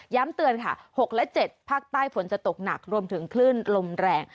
เตือนค่ะ๖และ๗ภาคใต้ฝนจะตกหนักรวมถึงคลื่นลมแรง